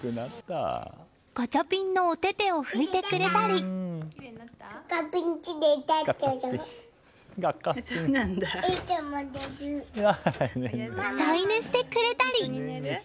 ガチャピンのお手々を拭いてくれたり添い寝してくれたり。